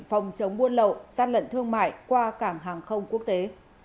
phòng chống buôn lậu gian lận thương mại qua cảng hàng không quốc tế